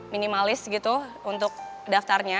minimalis gitu untuk daftarnya